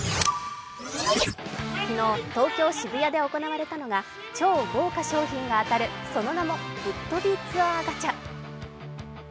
昨日、東京・渋谷で行われたのが超豪華賞品が当たるその名も、ぶっとびツアーガチャ。